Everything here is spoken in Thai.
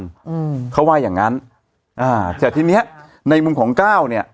อืมเขาว่าอย่างงั้นอ่าแต่ทีเนี้ยในมุมของก้าวเนี้ย